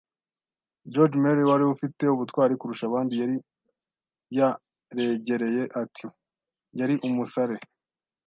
George Merry, wari ufite ubutwari kurusha abandi, yari yaregereye ati: "Yari umusare."